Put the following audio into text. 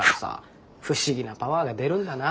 不思議なパワーが出るんだな。